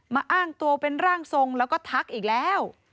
อ้างตัวเป็นร่างทรงแล้วก็ทักอีกแล้ว